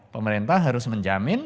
pemerintah harus menjamin